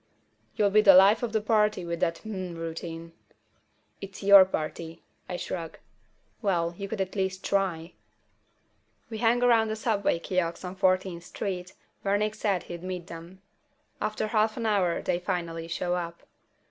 "You'll be the life of the party with that 'Hmm' routine." "It's your party." I shrug. "Well, you could at least try." We hang around the subway kiosk on Fourteenth Street, where Nick said he'd meet them. After half an hour they finally show up.